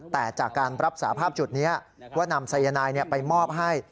แต่จากการรับสาภาพจุดนี้ว่านำสายนายไปมอบให้